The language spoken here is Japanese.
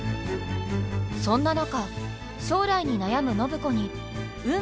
そんな中将来に悩む暢子に何？